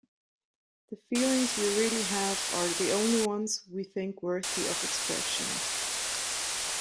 The feelings we really have are the only ones we think worthy of expression.